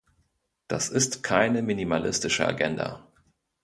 Das ist keine minimalistische Agenda.